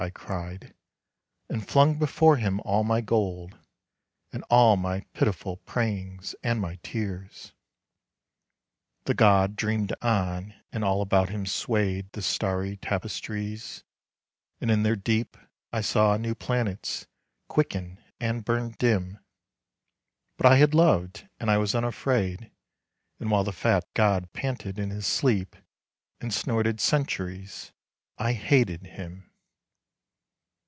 " I cried, and flung before him all my gold, And all my pitiful prayings, and my tears. The god dreamed on, and all about him swayed The starry tapestries, and in their deep I saw new planets quicken and burn dim ; But I had loved and I was unafraid, And while the fat god panted in his sleep And snorted centuries, I hated him.